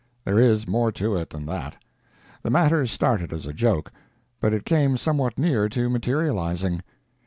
There is more to it than that. The matter started as a joke, but it came somewhat near to materializing.